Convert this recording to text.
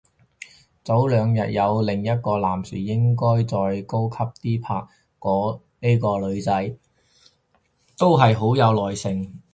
早兩日有另一個男士應該再高級啲拍呢個女仔，都係好有耐性